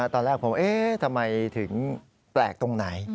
ตอนแรกผมเอ๊ะทำไมถึงแปลกตรงไหน